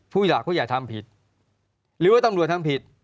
ผู้หญิงก็อยากทำผิดหรือว่าตำรวจทำผิด